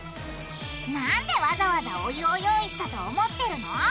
なんでわざわざお湯を用意したと思ってるの！？